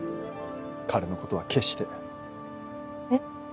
彼のことは決して。え？